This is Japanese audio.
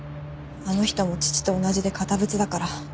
あの人も父と同じで堅物だから。